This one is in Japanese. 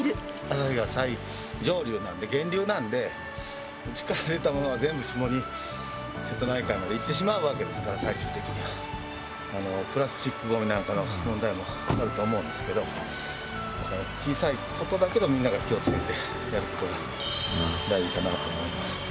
旭川最上流なんで源流なんで全部下にわけですから最終的にはプラスチックゴミなんかの問題もあると思うんですけど小さいことだけどみんなが気をつけてやることが大事かなと思います